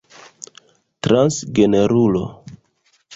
transgenrulo